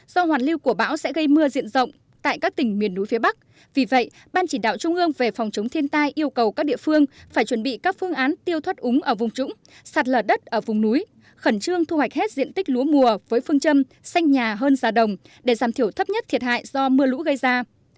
do hoàn lưu của bão sẽ gây mưa diện rộng tại các tỉnh miền núi phía bắc vì vậy ban chỉ đạo trung ương về phòng chống thiên tai yêu cầu các địa phương phải chuẩn bị các phương án tiêu thoát úng ở vùng trũng sạt lở đất ở vùng núi khẩn trương thu hoạch hết diện tích lúa mùa với phương châm xanh nhà hơn giá đồng để giảm thiểu thấp nhất thiệt hại do mưa lũ gây ra